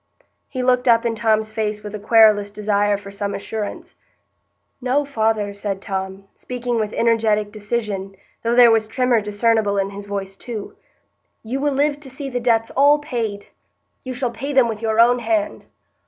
He looked up in Tom's face with a querulous desire for some assurance. "No, father," said Tom, speaking with energetic decision, though there was tremor discernible in his voice too, "you will live to see the debts all paid. You shall pay them with your own hand."